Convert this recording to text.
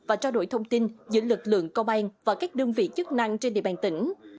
và trao đổi thông tin giữa lực lượng công an và các đơn vị chức năng trên địa bàn tỉnh